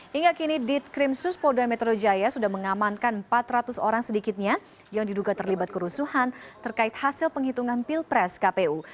hingga kini ditkrimsus polda metro jaya sudah mengamankan empat ratus orang sedikitnya yang diduga terlibat kerusuhan terkait hasil penghitungan pilpres kpu